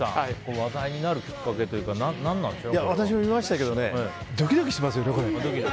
話題になるきっかけは私も見ましたけどドキドキしますよね、これ。